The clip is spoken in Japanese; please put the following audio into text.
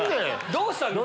どうしたの？